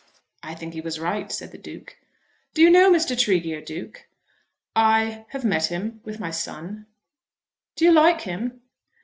"I think he was right," said the Duke. "Do you know Mr. Tregear, Duke?" "I have met him with my son." "Do you like him?"